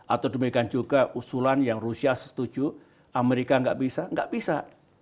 atau demikian juga usulan yang rusia setuju amerika nggak bisa nggak bisa